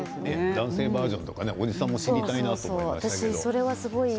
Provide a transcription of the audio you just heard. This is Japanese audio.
男性バージョンとかおじさんも知りたいなと思います。